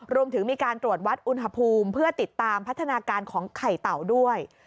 รวมถึงมีการตรวจวัดอุณหภูมิเพื่อติดตามพัฒนาการของไข่เต่าด้วย